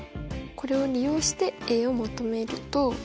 これを利用してを求めると。